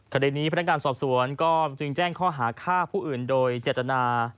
ข่าวนี้พลังการศอบสวนจึงแจ้งข้อหาชายผู้อื่น